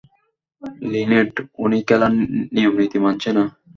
Linate, উনি খেলার নিয়মনীতি মানছে না!